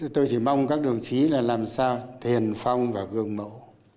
tôi chỉ mong các đồng chí là làm sao tiền phong và gương mẫu